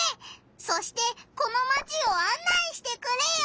そしてこのマチをあん内してくれよ！